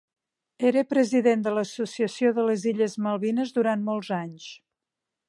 Era president de l'Associació de les Illes Malvines durant mots anys.